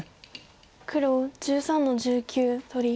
黒１３の十九取り。